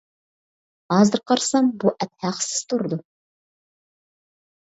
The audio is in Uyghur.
ھازىر قارىسام بۇ ئەپ ھەقسىز تۇرىدۇ.